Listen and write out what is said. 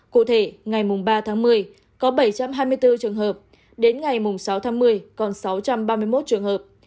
cụ thể ngày ba tháng một mươi có bảy trăm hai mươi bốn trường hợp đến ngày sáu tháng một mươi còn sáu trăm ba mươi một trường hợp